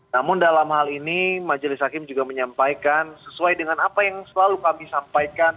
namun dalam hal ini majelis hakim juga menyampaikan sesuai dengan apa yang selalu kami sampaikan